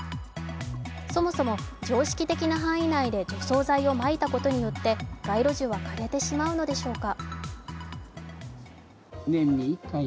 そもそも常識的な範囲内で除草剤をまいたことによって街路樹は枯れてしまうのでしょうか。